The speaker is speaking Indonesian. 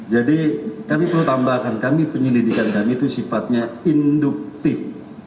jadi kami perlu tambahkan kami penyelidikan kami itu sifatnya induktif